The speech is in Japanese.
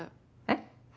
えっ？